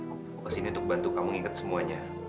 aku kesini untuk bantu kamu ingat semuanya